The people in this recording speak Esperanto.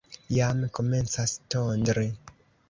Jam komencas tondri.